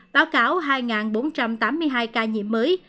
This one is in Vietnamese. báo cáo hai bốn trăm tám mươi hai ca nhiễm mới